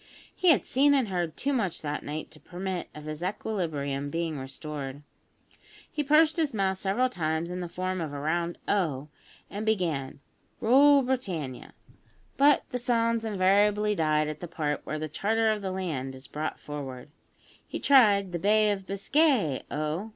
He had seen and heard too much that night to permit of his equilibrium being restored. He pursed his mouth several times into the form of a round O, and began "Rule Britannia"; but the sounds invariably died at the part where the "charter of the land" is brought forward. He tried "The Bay of Biscay, O!"